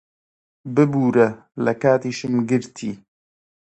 ببوورە لە کاتیشم گرتی.